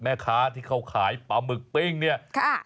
แม่ค้าที่เขาขายปลาหมึกปิ้งเนี่ย